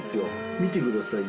見てくださいよ。